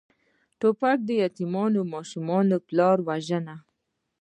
توپک د یتیمو ماشومانو پلار وژني.